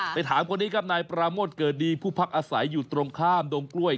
ถามคนนี้ครับนายปราโมทเกิดดีผู้พักอาศัยอยู่ตรงข้ามดงกล้วย